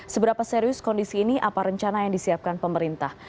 seberapa serius kondisi ini apa rencana yang disiapkan pemerintah